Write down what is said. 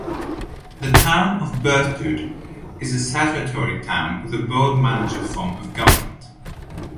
The Town of Berthoud is a statutory town with a Board-Manager form of government.